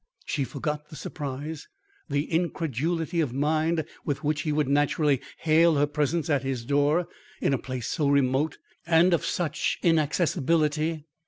She forgot the surprise, the incredulity of mind with which he would naturally hail her presence at his door in a place so remote and of such inaccessibility.